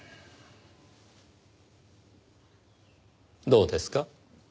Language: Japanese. どうですか？